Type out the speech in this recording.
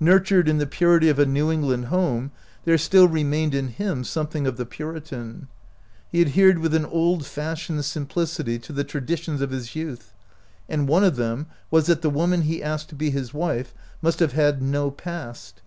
Nur tured in the purity of a New England home, there still remained in him something of the Puritan. He adhered with an old fashioned simplicity to the traditions of his youth, and one of them was that the woman he asked to be his wife must have had no past.